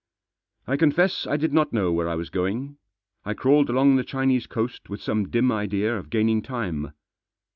I confess I did not know where I was going. I crawled along the Chinese coast with some dim idea of gaining time.